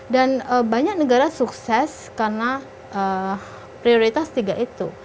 dan banyak negara sukses karena prioritas tiga itu